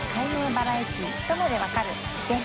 バラエティひと目でわかる！！」です。